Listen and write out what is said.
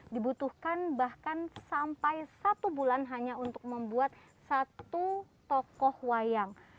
dibutuhkan bahkan sampai satu bulan hanya untuk membuat satu tokoh wayang